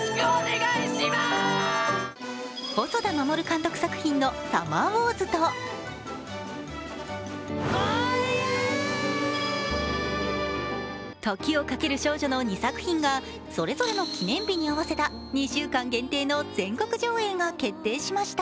細田守監督作品の「サマーウォーズ」と「時をかける少女」の２作品がそれぞれの記念日に合わせた２週間限定の全国上映が決定しました。